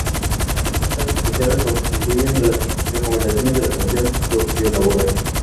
Un caso especial lo constituyen las recomendaciones de la Comisión Sociolaboral.